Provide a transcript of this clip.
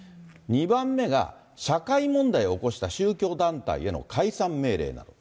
２番目が社会問題を起こした宗教団体への解散命令など。